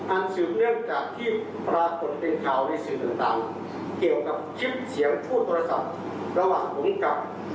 สืบเนื่องจากที่ปรากฏเป็นข่าวในสื่อต่างเกี่ยวกับคลิปเสียงพูดโทรศัพท์ระหว่างผมกับ